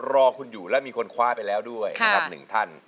รอคุณอยู่แล้วมีคนคว้าไปแล้วด้วยนะครับ๑ท่าน